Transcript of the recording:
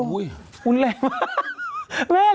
อุ้ยอุ้ยแรกมาก